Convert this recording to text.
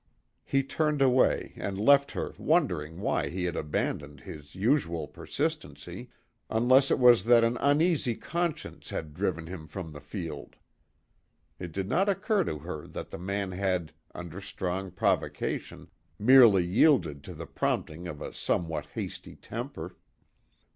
He turned away and left her wondering why he had abandoned his usual persistency, unless it was that an uneasy conscience had driven him from the field. It did not occur to her that the man had, under strong provocation, merely yielded to the prompting of a somewhat hasty temper.